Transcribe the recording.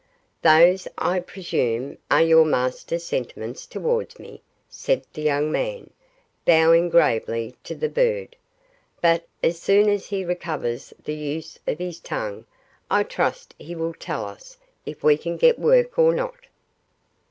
'Those, I presume, are your master's sentiments towards me,' said the young man, bowing gravely to the bird. 'But as soon as he recovers the use of his tongue, I trust he will tell us if we can get work or not.